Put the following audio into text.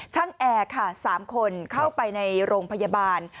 ทั้งแอร์๓คนเข้าไปในโรงพยาบาล